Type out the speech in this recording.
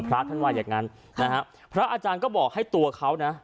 พระท่านว่าอย่างงั้นนะฮะพระอาจารย์ก็บอกให้ตัวเขานะ